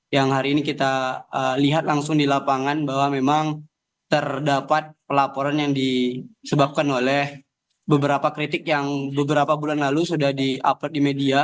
yang hari ini kita lihat langsung di lapangan bahwa memang terdapat pelaporan yang disebabkan oleh beberapa kritik yang beberapa bulan lalu sudah di upload di media